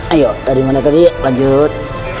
ayo dari mana tadi lanjut